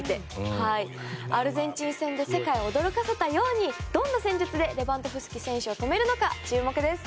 アルゼンチン戦で世界を驚かせたようにどんな戦術でレバンドフスキ選手を止めるのか注目です。